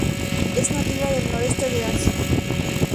Es nativa del noreste de Asia.